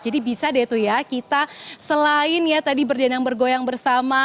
jadi bisa deh tuh ya kita selain ya tadi berdenang bergoyang bersama